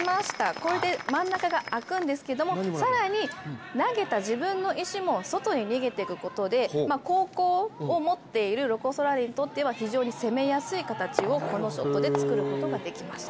これで真ん中があくんですけれども更に投げた自分の石も外に逃げていくことで、後攻を持っているロコ・ソラーレにとっては非常に攻めやすい形をこのショットで作ることができました。